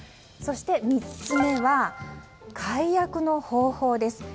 そして３つ目は解約の方法です。